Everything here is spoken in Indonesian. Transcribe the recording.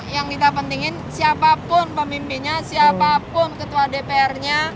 yang kita pentingin siapapun pemimpinnya siapapun ketua dpr nya